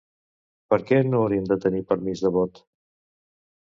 Per què no haurien de tenir permís de vot?